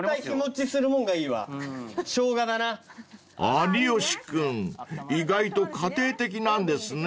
［有吉君意外と家庭的なんですね］